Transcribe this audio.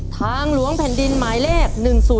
ทางหลวงแผ่นดินหมายเลข๑๐๔